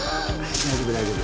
大丈夫大丈夫。